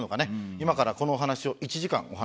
今からこのお話を１時間お話。